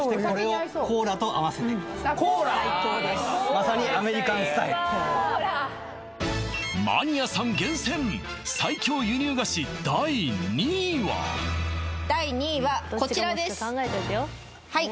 まさにマニアさん厳選最強輸入菓子第２位は第２位はこちらですはい